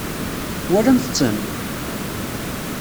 Twalamt-ten?